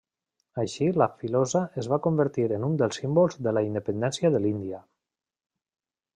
Així la filosa es va convertir en un dels símbols de la independència de l'Índia.